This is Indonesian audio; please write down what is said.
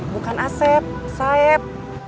bukan asep saeb